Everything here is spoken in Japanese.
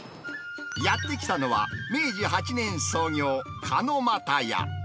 やって来たのは、明治８年創業、かのまたや。